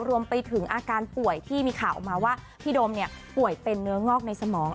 รวมไปถึงอาการป่วยที่มีข่าวออกมาว่าพี่โดมป่วยเป็นเนื้องอกในสมอง